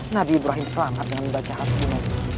nabi ibrahim selamat membaca hasbunat nabi